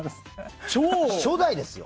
初代ですよ！